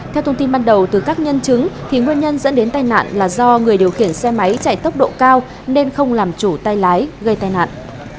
theo thông tin ban đầu từ các nhân chứng nguyên nhân dẫn đến tai nạn là do người điều khiển xe máy chạy tốc độ cao nên không làm chủ tay lái gây tai nạn